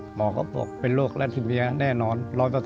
หมอเขาก็บอกเป็นโรคคาราศิเมียแน่นอน๑๐๐